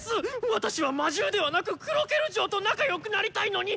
私は魔獣ではなくクロケル嬢と仲良くなりたいのに！